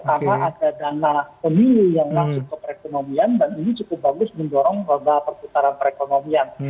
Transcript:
karena ada dana pemilu yang masuk ke perekonomian dan ini cukup bagus mendorong bagaimana perputaran perekonomian